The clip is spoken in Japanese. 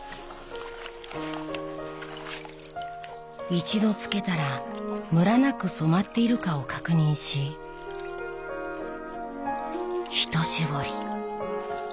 一度つけたらムラなく染まっているかを確認しひと絞り。